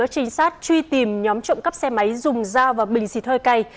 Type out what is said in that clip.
trinh sát truy tìm nhóm trộm cắp xe máy dùng dao và bình xịt hơi cay